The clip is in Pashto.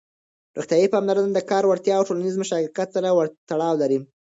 روغتيايي پاملرنه د کار وړتيا او ټولنيز مشارکت سره تړاو لري.